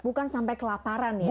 bukan sampai kelaparan ya